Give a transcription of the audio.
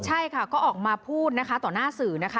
ใช่ค่ะก็ออกมาพูดต่อหน้าสินนะคะ